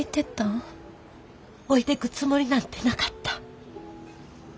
置いてくつもりなんてなかった。